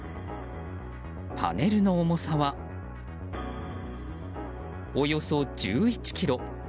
パネルの重さは、およそ１１ｋｇ。